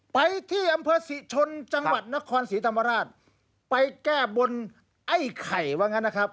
ไปที่อำเภอศรีชนจังหวัดนครศรีธรรมราชไปแก้บนไอ้ไข่ว่างั้นนะครับ